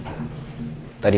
tadi pagi tadi